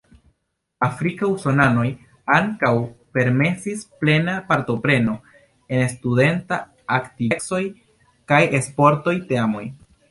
Afrika usonanoj ankaŭ permesis plena partopreno en studentaj aktivecoj kaj sportoj teamoj.